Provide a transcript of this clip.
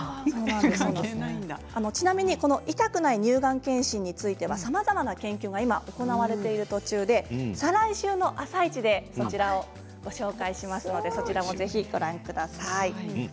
ちなみに痛くない乳がん検診については、さまざまな研究が今行われている途中で再来週の「あさイチ」でご紹介しますので、ご覧ください。